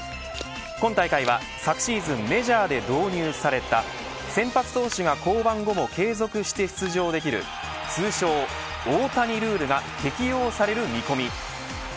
今大会は、昨シーズンメジャーで導入された先発投手が降板後も継続して出場できる通称、大谷ルールが適用される見込み。